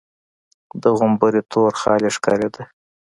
د غومبري تور خال يې ښکارېده.